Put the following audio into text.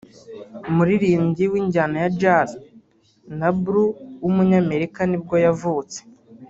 umuririmbyi w’injyana ya Jazz na Blues w’umunyamerika nibwo yavutse